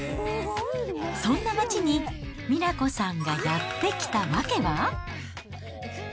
そんな町に美奈子さんがやって来た訳は？